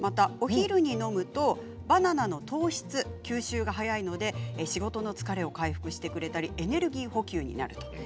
昼に飲むとバナナの糖質吸収が早いので仕事の疲れを回復してくれたりエネルギー補給になると。